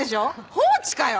放置かよ